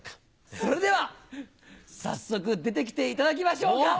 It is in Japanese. それでは早速、出てきていただきましょうか。